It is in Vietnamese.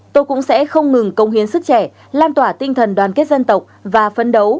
tôi cũng sẽ không ngừng công hiến sức trẻ lan tỏa tinh thần đoàn kết dân tộc và phấn đấu